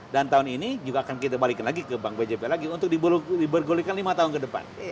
dan tahun ini juga akan kita balik lagi ke bank bjb lagi untuk di bergulirkan lima tahun ke depan